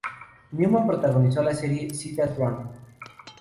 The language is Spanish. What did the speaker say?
Newman protagonizó la serie "See Dad Run".